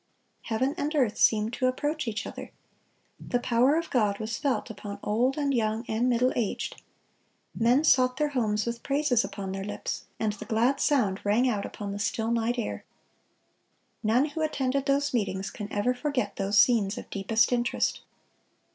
Heaven and earth seemed to approach each other. The power of God was felt upon old and young and middle aged. Men sought their homes with praises upon their lips, and the glad sound rang out upon the still night air. None who attended those meetings can ever forget those scenes of deepest interest.